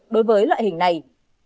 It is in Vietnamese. đối với loại hình này